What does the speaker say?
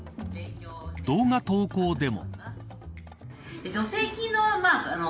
動画投稿でも。